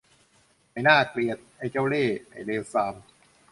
ไอ้น่าเกลียด ไอ้เจ้าเล่ห์ ไอ้เลวทราม !